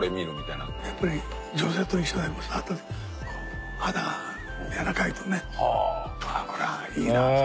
やっぱり女性と一緒で触った時こう肌がやわらかいとねああこれはいいなとか。